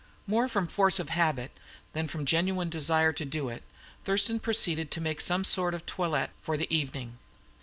More from force of habit than from genuine desire to do it, Thurston proceeded to make some sort of toilet for the evening.